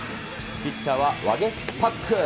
ピッチャーはワゲスパック。